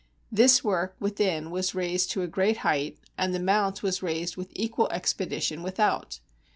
This work within was raised to a great height, and the mount was raised with equal expedition without.